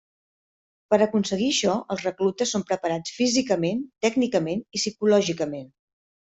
Per aconseguir això, els reclutes són preparats físicament, tècnicament i psicològicament.